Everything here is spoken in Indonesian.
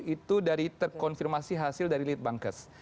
itu dari terkonfirmasi hasil dari litbangkes